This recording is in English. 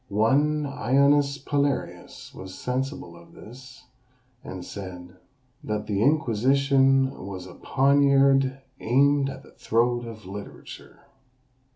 One Aonius Palearius was sensible of this; and said, "that the Inquisition was a poniard aimed at the throat of literature."